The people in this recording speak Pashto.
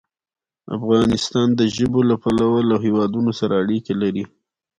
افغانستان د ژبو له پلوه له هېوادونو سره اړیکې لري.